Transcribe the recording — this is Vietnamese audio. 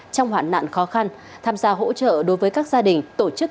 trong hoạn nạn khó khăn tham gia hỗ trợ đối với các gia đình tổ chức cá nhân